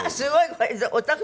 これ。